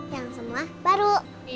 yang semua baru